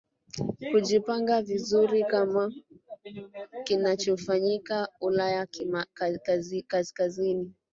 kujipanga vizuri kama kinachofanyika ulaya kaskazini